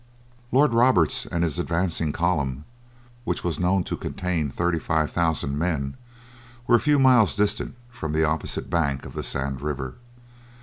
Lord Roberts and his advancing column, which was known to contain thirty five thousand men, were a few miles distant from the opposite bank of the Sand River.